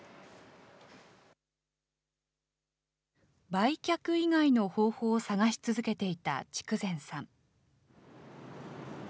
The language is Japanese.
売却以外の方法を探し続けていた筑前さん。